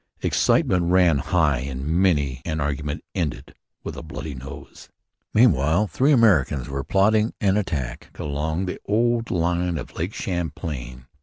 Excitement ran high and many an argument ended with a bloody nose. Meanwhile three Americans were plotting an attack along the old line of Lake Champlain.